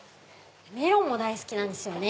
メロンも大好きなんですよね。